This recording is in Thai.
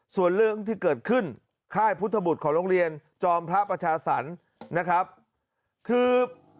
ส่วนเรื่องที่เกิดขึ้นค่ายพุทธบุตรของโรงเรียนจอมพระประชาสรรค์นะครับคือ